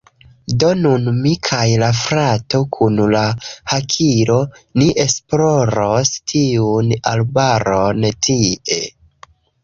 Do nun mi kaj la frato kun la hakilo, ni esploros tiun arbaron tie.